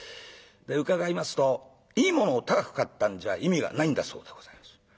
で伺いますといいものを高く買ったんじゃ意味がないんだそうでございます。